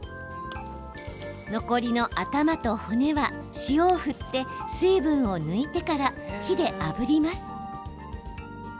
残りの頭と骨は塩を振って水分を抜いてから火であぶります。